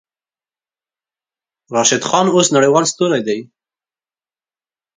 راشد خان اوس نړۍوال ستوری دی.